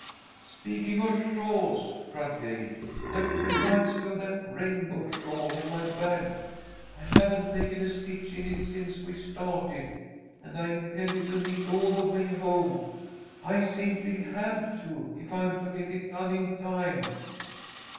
"Speaking of shawls," cried Gay, "that reminds me of that rainbow shawl in my bag. I haven't taken a stitch in it since we started, and I intended to knit all the way home. I simply have to, if I'm to get it done in time."